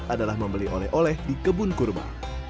adalah membeli oleh oleh di kebun kurma